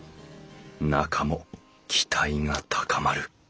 中も期待が高まる。